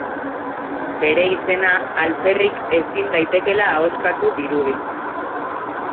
Bere izena alferrik ezin daitekeela ahoskatu dirudi.